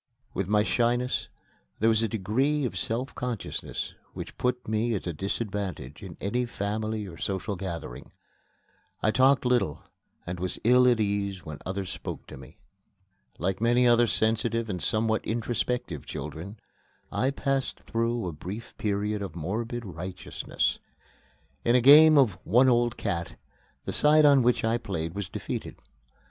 With my shyness there was a degree of self consciousness which put me at a disadvantage in any family or social gathering. I talked little and was ill at ease when others spoke to me. Like many other sensitive and somewhat introspective children, I passed through a brief period of morbid righteousness. In a game of "one old cat," the side on which I played was defeated.